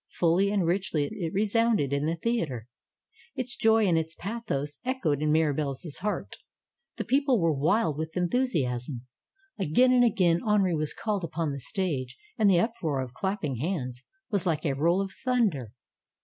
Fully and richly it resounded in the theater. Its joy and its pathos echoed in Mirabelle's heart. The people were wild with enthusiasm. Again and again Henri was called upon the stage and the uproar of clapping hands was like a roll of thunder.